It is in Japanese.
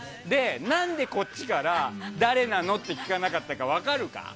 なんで、こっちから誰なの？と聞かなかったか分かるか？